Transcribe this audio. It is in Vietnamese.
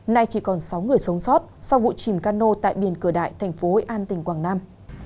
nay chỉ còn sáu người sống sót sau vụ chìm cano tại biển cửa đại thành phố hội an tỉnh quảng nam